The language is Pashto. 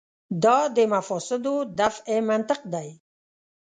دا د مفاسدو دفع منطق دی.